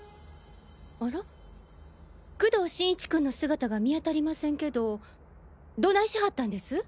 あら工藤新一君の姿が見当たりませんけどどないしはったんです？